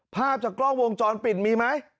ภาพจากกล้องวงจรปิดมีไหม